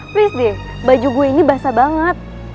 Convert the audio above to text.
please deh baju gue ini basah banget